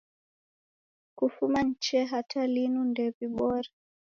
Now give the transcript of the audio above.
Kufuma ni chee hata linu nde wibore